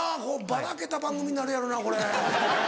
ばらけた番組になるやろなこれ。